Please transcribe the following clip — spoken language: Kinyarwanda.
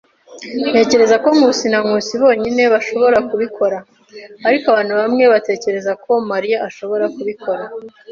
Ntekereza ko Nkusi na Nkusi bonyine bashobora kubikora. Ariko, abantu bamwe batekereza ko na Mariya ashobora kubikora.